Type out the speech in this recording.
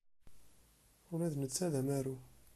Ula d netta d amaru.